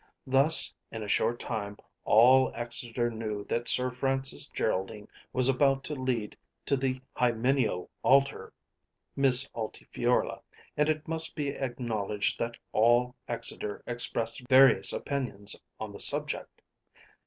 Thus in a short time all Exeter knew that Sir Francis Geraldine was about to lead to the hymeneal altar Miss Altifiorla, and it must be acknowledged that all Exeter expressed various opinions on the subject.